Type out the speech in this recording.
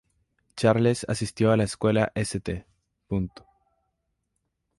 Charles asistió a la escuela St.